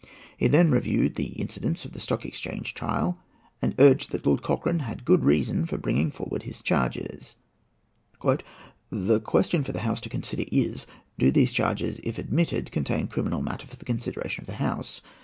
He then reviewed the incidents of the Stock Exchange trial, and urged that Lord Cochrane had good reason for bringing forward his charges. "The question for the House to consider is, 'Do these charges, if admitted, contain criminal matter for the consideration of the House?'